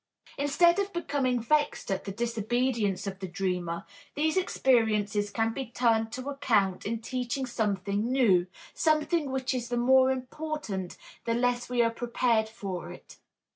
Instead of becoming vexed at the disobedience of the dreamer, these experiences can be turned to account in teaching something new, something which is the more important the less we are prepared for it.